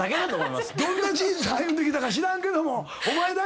どんな人生歩んできたか知らんけどもお前だけやそれ。